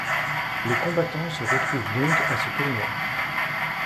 Les combattants se retrouvent donc à ce tournoi.